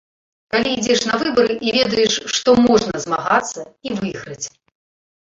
Калі ідзеш на выбары і ведаеш, што можна змагацца і выйграць.